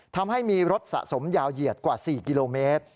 ทำให้มีรถสะสมยาวเหยียดกว่า๔กิโลเมตร